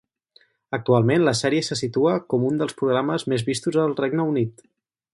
Actualment la sèrie se situa com un dels programes més vistos al Regne Unit.